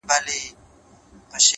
• دا هم له تا جار دی ـ اې وطنه زوروره ـ